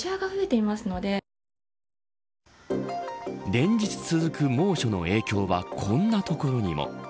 連日続く猛暑の影響はこんなところにも。